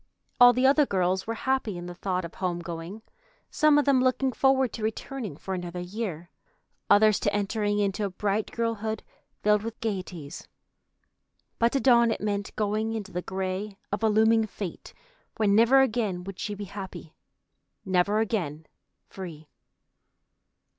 All the other girls were happy in the thought of home going, some of them looking forward to returning for another year, others to entering into a bright girlhood filled with gaieties. But to Dawn it meant going into the gray of a looming fate where never again would she be happy, never again free.